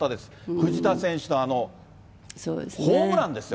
藤田選手の、あのホームランですよ。